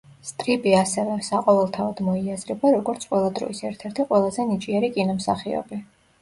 სტრიპი ასევე საყოველთაოდ მოიაზრება როგორც ყველა დროის ერთ-ერთი ყველაზე ნიჭიერი კინომსახიობი.